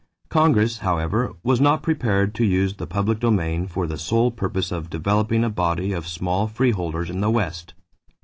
Congress, however, was not prepared to use the public domain for the sole purpose of developing a body of small freeholders in the West.